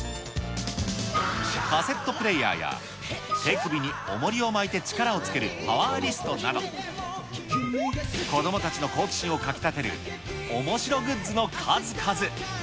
カセットプレーヤーや、手首におもりを巻いて力をつけるパワーリストなど、子どもたちの好奇心をかきたてるおもしろグッズの数々。